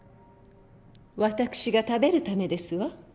私が食べるためですわ。